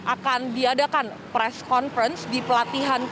akan diadakan press conference di pelatihan